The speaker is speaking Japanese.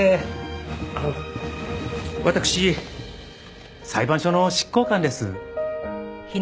あの私裁判所の執行官です。